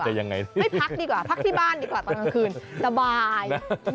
ไม่พักที่บ้านดีกว่าตอนกลางคืนสบาย